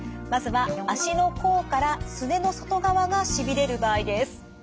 まずは足の甲からすねの外側がしびれる場合です。